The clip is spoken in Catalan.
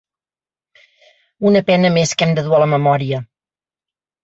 Una pena més que hem de dur a la memòria.